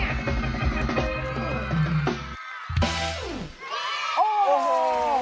อื้มว้าว